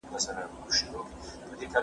شاه د عصري قوانینو د جوړولو هڅه وکړه.